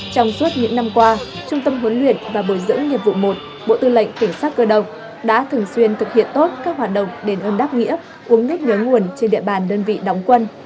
trong suốt những năm qua trung tâm huấn luyện và bồi dưỡng nhiệm vụ một bộ tư lệnh cảnh sát cơ động đã thường xuyên thực hiện tốt các hoạt động đền ơn đáp nghĩa uống nước nhớ nguồn trên địa bàn đơn vị đóng quân